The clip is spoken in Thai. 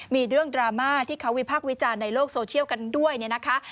มีเรื่องดราม่าที่เขาวิพากษ์วิจารณ์ในโลกโซเชียลกันด้วยเนี่ยนะคะ